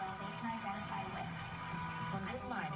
ข้อมูลเข้ามาดูครับ